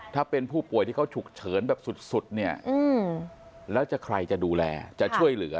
ถ้าเป็นผู้ป่วยที่เขาฉุกเฉินแบบสุดเนี่ยแล้วจะใครจะดูแลจะช่วยเหลือ